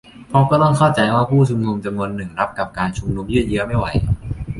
เพราะก็ต้องเข้าใจว่าผู้ชุมนุมจำนวนหนึ่งรับกับการชุมนุมยืดเยื้อไม่ไหว